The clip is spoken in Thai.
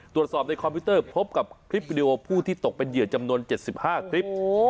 ตรวจสอบในคอมพิวเตอร์พบกับคลิปวิดีโอผู้ที่ตกเป็นเหยื่อจำนวน๗๕คลิป